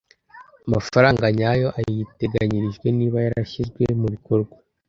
amafaranga nyayo ayiteganyirijwe. niba yarashyizwe mu bikorwa